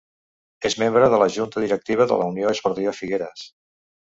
És membre de la Junta Directiva de la Unió Esportiva Figueres.